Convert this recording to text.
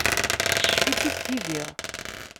Teccef-itt-id tidi.